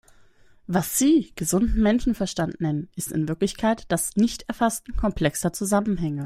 Was Sie gesunden Menschenverstand nennen, ist in Wirklichkeit das Nichterfassen komplexer Zusammenhänge.